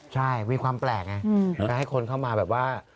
ใช่มีความแปลกไงก็ให้คนเข้ามาแบบว่า